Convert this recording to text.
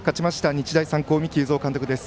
日大三高三木有造監督です。